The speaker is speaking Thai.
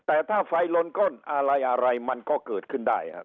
แต่ถ้าไฟลนก้นอะไรอะไรมันก็เกิดขึ้นได้ครับ